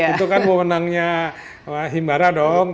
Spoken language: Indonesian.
itu kan pemenangnya himbara dong